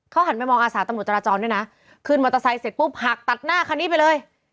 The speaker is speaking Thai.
หันไปมองอาสาตำรวจจราจรด้วยนะขึ้นมอเตอร์ไซค์เสร็จปุ๊บหักตัดหน้าคันนี้ไปเลย